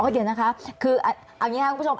เดี๋ยวนะคะคือเอาอย่างนี้ค่ะคุณผู้ชม